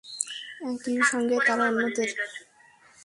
একই সঙ্গে তারা অন্যদের প্রতি নতুন সরকারকে মেনে নেওয়ার আহ্বান জানিয়েছে।